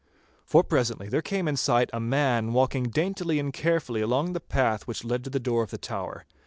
For presently there came in sight a man walking daintily and carefully along the path which led to the door of the tower.